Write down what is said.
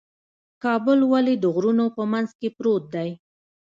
کابل ولې د غرونو په منځ کې پروت دی؟